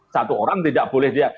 satu orang tidak boleh dia